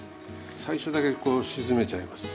最初だけこう沈めちゃいます。